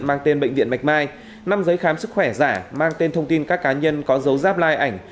mang tên bệnh viện mạch mai năm giấy khám sức khỏe giả mang tên thông tin các cá nhân có dấu giáp like ảnh